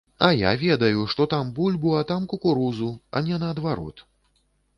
А я ведаю, што там бульбу, а там кукурузу, а не наадварот!